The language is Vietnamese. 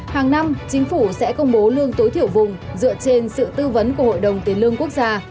hàng năm chính phủ sẽ công bố lương tối thiểu vùng dựa trên sự tư vấn của hội đồng tiền lương quốc gia